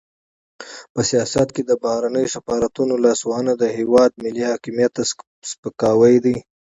په سیاست کې د بهرنیو سفارتونو لاسوهنه د هېواد ملي حاکمیت ته سپکاوی دی.